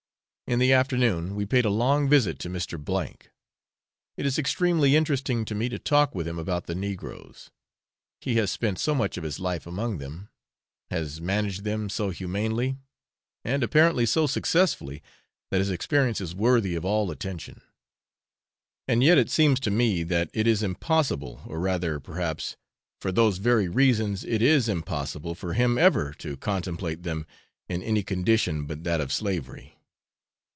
In the afternoon, we paid a long visit to Mr. C . It is extremely interesting to me to talk with him about the negroes; he has spent so much of his life among them, has managed them so humanely, and apparently so successfully, that his experience is worthy of all attention. And yet it seems to me that it is impossible, or rather, perhaps, for those very reasons it is impossible, for him ever to contemplate them in any condition but that of slavery.